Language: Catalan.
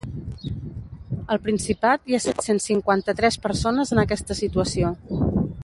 Al Principat hi ha set-cents cinquanta-tres persones en aquesta situació.